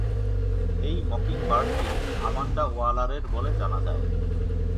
এই মকিংবার্ডটি আমান্ডা ওয়ালারের বলে জানা যায়।